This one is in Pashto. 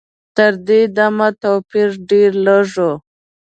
تر دې دمه توپیر ډېر لږ و.